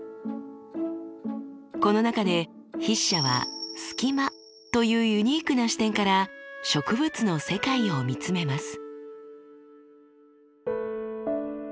この中で筆者はスキマというユニークな視点から植物の世界を見つめます。